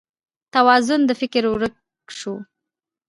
توازون د فکر ورک شو